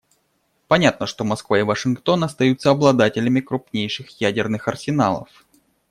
Понятно, что Москва и Вашингтон остаются обладателями крупнейших ядерных арсеналов.